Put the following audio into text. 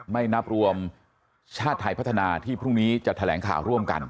ไม่นับรวมชาติไทยพัฒนาที่พรุ่งนี้จะแถลงข่าวร่วมกัน